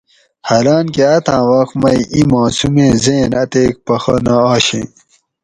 حالانکہ اتھاۤن وخت مئی اِیں معصومیں ذہن اتیک پخہ نہ آشیں